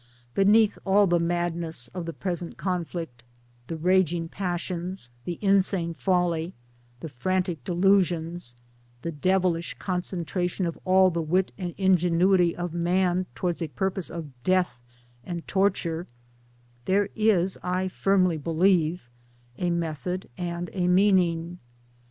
Beneath all the madness of the present conflict the raging passions, the insane folly, the frantic delusions, the devilish concentration of all 1 the wit and ingenuity of man towards purposes of death and torture, there is, I firmly believe, a method and a meaning